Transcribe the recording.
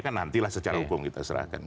kan nantilah secara hukum kita serahkan